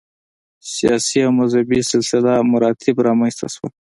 سیاسي او مذهبي سلسله مراتب رامنځته شول.